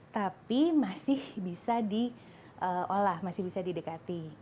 tapi masih bisa diolah masih bisa didekati